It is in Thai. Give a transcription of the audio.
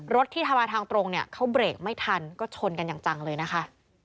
รถที่ทำมาทางตรงเนี่ยเขาเบรกไม่ทันก็ชนกันอย่างจังเลยนะคะ